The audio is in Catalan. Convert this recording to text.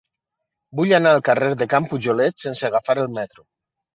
Vull anar al carrer de Can Pujolet sense agafar el metro.